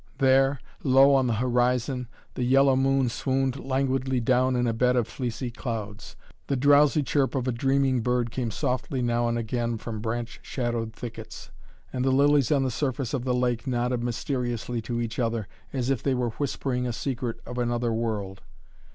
There, low on the horizon, the yellow moon swooned languidly down in a bed of fleecy clouds. The drowsy chirp of a dreaming bird came softly now and again from branch shadowed thickets, and the lilies on the surface of the lake nodded mysteriously to each other, as if they were whispering a secret of another world.